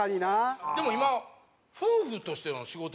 でも今夫婦としての仕事結構。